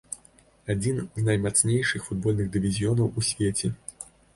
Адзін з наймацнейшых футбольных дывізіёнаў ў свеце.